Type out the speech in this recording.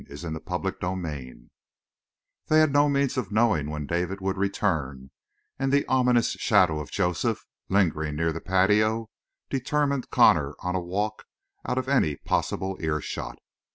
CHAPTER TWENTY FOUR They had no means of knowing when David would return and the ominous shadow of Joseph, lingering near the patio, determined Connor on a walk out of any possible earshot.